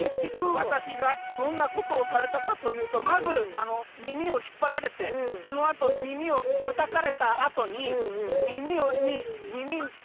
わたしがどんなことをされたかというとまずみみをひっぱられてそのあとみみをたたかれたあとにみみをにみみ。